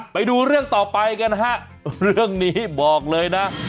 ไปดูเรื่องต่อไปกันฮะเรื่องนี้บอกเลยนะ